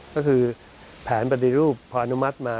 ก็คือแผนปฏิรูปพออนุมัติมา